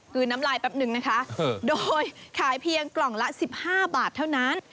คือน้ำลายแปปหนึ่งนะคะโดยขายเพียงกล่องละสิบห้าบาทเท่านั้น